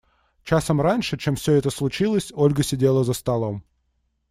Часом раньше, чем все это случилось, Ольга сидела за столом.